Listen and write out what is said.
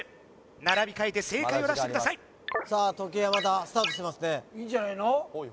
並び替えて正解を出してくださいさあ時計がまたスタートしてますねいいんじゃないの？